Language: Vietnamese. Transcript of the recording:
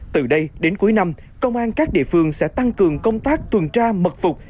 từ đây đến cuối năm công an các địa phương sẽ tăng cường công tác tuân trá mật phục